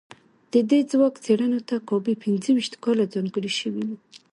د دې ځواک څېړنې ته کابو پينځو ويشت کاله ځانګړي شوي وو.